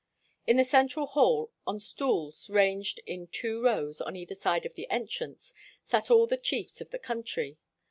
In the central hall, on stools ranged in two rows on either side of the entrance, sat all the chiefs of the country.